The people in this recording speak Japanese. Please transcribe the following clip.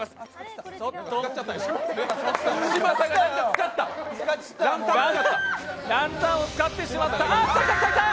嶋佐、ランタンを使ってしまった。